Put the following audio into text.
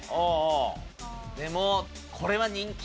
でもこれは。